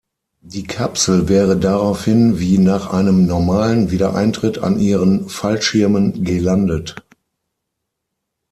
Die Kapsel wäre daraufhin wie nach einem normalen Wiedereintritt an ihren Fallschirmen gelandet.